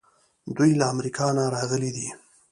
دوی له امریکا نه راغلي دي.